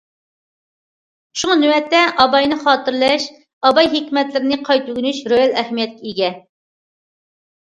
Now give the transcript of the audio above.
شۇڭا نۆۋەتتە ئاباينى خاتىرىلەش، ئاباي ھېكمەتلىرىنى قايتا ئۆگىنىش رېئال ئەھمىيەتكە ئىگە.